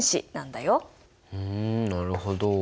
ふんなるほど。